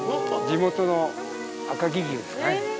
地元の赤城牛ですかね。